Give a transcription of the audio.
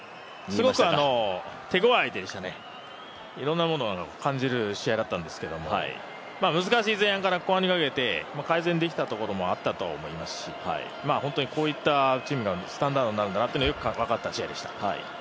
すごく手ごわい相手でしたねいろんなものを感じる試合だったんですけども、難しい前半から後半にかけて改善できたところもあったと思いますし本当にこういったチームがスタンダードになるんだなというのが分かった試合でした。